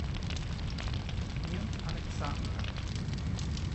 New Alexandra